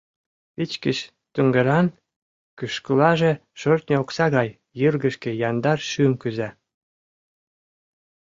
Вичкыж туҥгыран, кӱшкылаже шӧртньӧ окса гай йыргешке яндар шӱм кӱза.